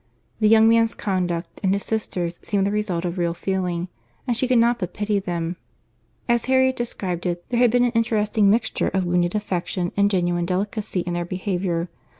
The young man's conduct, and his sister's, seemed the result of real feeling, and she could not but pity them. As Harriet described it, there had been an interesting mixture of wounded affection and genuine delicacy in their behaviour.